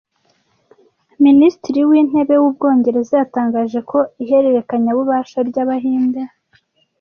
Minisitiri w’intebe w’Ubwongereza, yatangaje ko ihererekanyabubasha ry’Abahinde